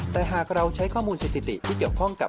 แต่หากเราใช้ข้อมูลสถิติที่เกี่ยวข้องกับ